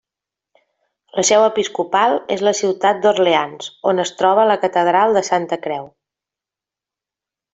La seu episcopal és la ciutat d'Orleans, on es troba la catedral de Santa Creu.